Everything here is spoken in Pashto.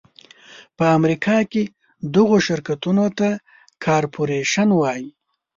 په امریکا کې دغو شرکتونو ته کارپورېشن وایي.